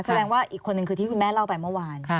แสดงว่าอีกคนนึงคือที่คุณแม่เล่าไปเมื่อวาน